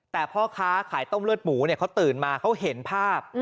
แต่พ่อค้าขายต้มเลือดหมูเนี่ยเขาตื่นมาเขาเห็นภาพ